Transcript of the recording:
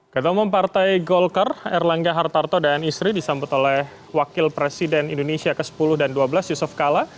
ketemu partai golkar erlangga hartarto dan istri disambut oleh wakil presiden indonesia ke sepuluh dan ke dua belas yusuf kala